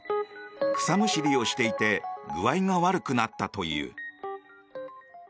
草むしりをしていて具合が悪くなったという。